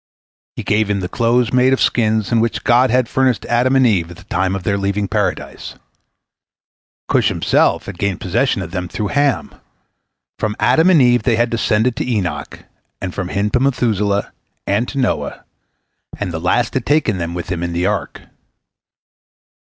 He gave him the clothes made of skins with which God had furnished Adam and Eve at the time of their leaving Paradise. Cush himself had gained possession of them through Ham. From Adam and Eve they had descended to Enoch, and from him to Methuselah, and to Noah, and the last had taken them with him into the ark.